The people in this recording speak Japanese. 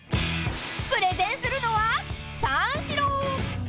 ［プレゼンするのは］